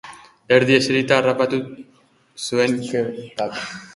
Erdi eserita harrapatu zuen Kepak.